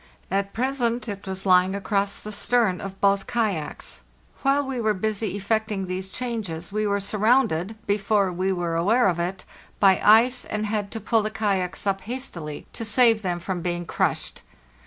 At present it was lying across the stern of both kayaks. While we were busy effecting these changes we were surrounded, before we were aware of it, by ice, and had to pull the kayaks up hastily to save them from being crushed.